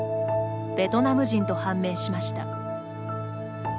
べトナム人と判明しました。